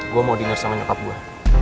gua mau denger sama nyokap gua